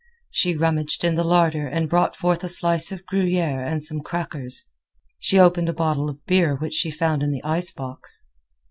She rummaged in the larder and brought forth a slice of Gruyere and some crackers. She opened a bottle of beer which she found in the icebox.